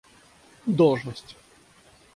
должность